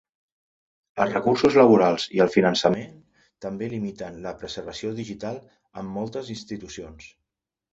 Els recursos laborals i el finançament també limiten la preservació digital en moltes institucions.